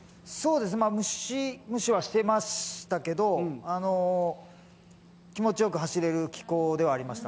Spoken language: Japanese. ムシムシはしてましたけど、気持ちよく走れる気候ではありました。